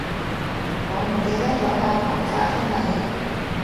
我唔記得咗帶防曬出嚟